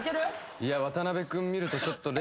いや渡辺くん見るとちょっと頼